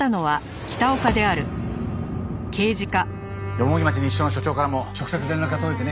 蓬町西署の署長からも直接連絡が届いてね。